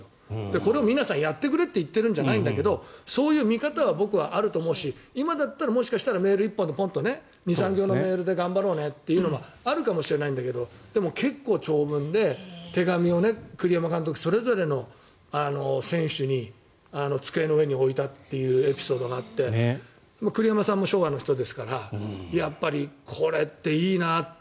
これを皆さん、やってくれと言ってるんじゃないんだけどそういう見方が僕はあると思うし今だったらメール１本でポンと２３行のメールで頑張ろうねというのがあるかもしれないんだけどでも、結構長文で手紙を栗山監督がそれぞれの選手に机の上に置いたというエピソードがあって栗山監督も昭和の人ですからやっぱり、これっていいなって。